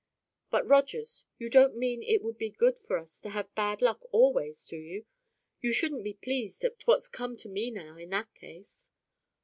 "But, Rogers, you don't mean it would be good for us to have bad luck always, do you? You shouldn't be pleased at what's come to me now, in that case."